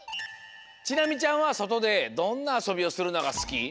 ちなみちゃんはそとでどんなあそびをするのがすき？